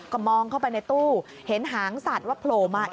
ก็มองเข้าไปในตู้เห็นหางสัตว์ว่าโผล่มา